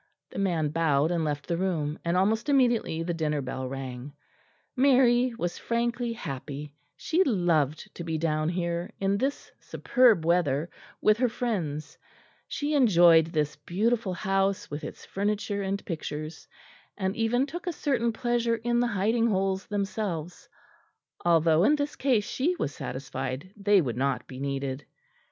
The man bowed and left the room, and almost immediately the dinner bell rang. Mary was frankly happy; she loved to be down here in this superb weather with her friends; she enjoyed this beautiful house with its furniture and pictures, and even took a certain pleasure in the hiding holes themselves; although in this case she was satisfied they would not be needed.